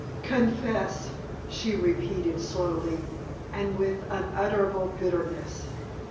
"Confess," she repeated, slowly, and with unutterable bitterness.